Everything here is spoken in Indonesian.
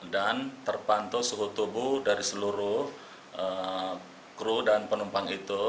dan terpantau suhu tubuh dari seluruh kru dan penumpang itu